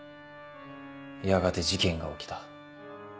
やがて事件が起きた。